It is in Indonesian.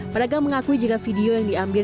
pedagang mengakui jika video yang diambil